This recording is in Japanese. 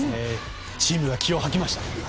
チームが気を吐きました。